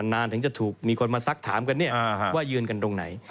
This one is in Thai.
นานถึงจะถูกมีคนมาซักถามกันเนี่ยว่ายืนกันตรงไหน